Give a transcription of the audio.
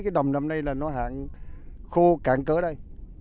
từ nhỏ tới lớn tôi mới thấy đầm năm nay nó hạn khô cạn cỡ đây